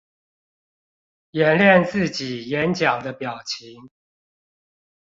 演練自己演講的表情